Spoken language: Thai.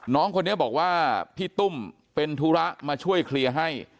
น้องคนนี้บอกว่าพี่ตุ้มเป็นธุระมาช่วยเคลียร์ให้